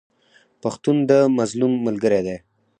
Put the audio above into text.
پښتون د مظلوم ملګری دی.